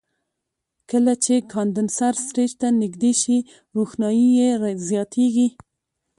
کله چې کاندنسر سټیج ته نږدې شي روښنایي یې زیاتیږي.